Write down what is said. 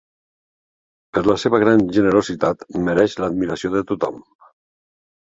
Per la seva gran generositat, mereix l'admiració de tothom.